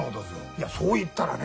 いやそう言ったらね